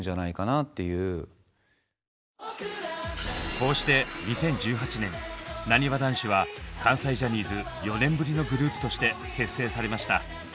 こうして２０１８年「なにわ男子」は関西ジャニーズ４年ぶりのグループとして結成されました。